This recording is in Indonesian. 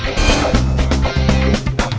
oh robert kan